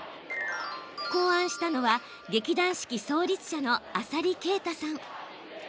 考案したのは劇団四季創立者の浅利慶太さん。